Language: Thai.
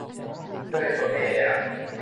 เพื่อให้คนไม่แออัด